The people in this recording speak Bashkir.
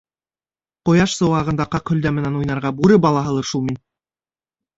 — Ҡояш сыуағында ҡаҡ һөлдә менән уйнарға бүре балаһылыр шул мин?!